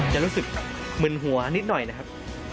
จะรู้สึกมึนหัวนิดหน่อยนะครับ